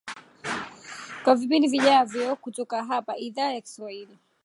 kwa vipindi vijavyo kutoka hapa idhaa ya kiswahili